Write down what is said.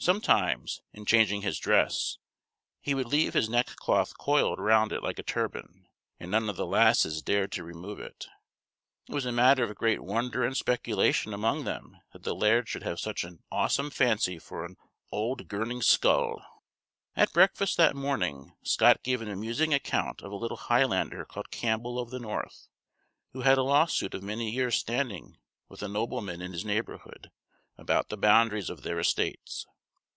Sometimes, in changing his dress, he would leave his neck cloth coiled round it like a turban, and none of the "lasses" dared to remove it. It was a matter of great wonder and speculation among them that the laird should have such an "awsome fancy for an auld girning skull." At breakfast that morning Scott gave an amusing account of a little Highlander called Campbell of the North, who had a lawsuit of many years' standing with a nobleman in his neighborhood about the boundaries of their estates.